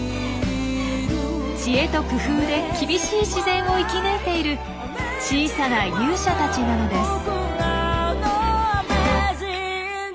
知恵と工夫で厳しい自然を生き抜いている小さな勇者たちなのです。